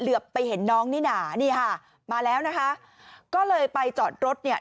เหลือไปเห็นน้องนิน่านี่ค่ะมาแล้วนะคะก็เลยไปจอดรถเนี่ย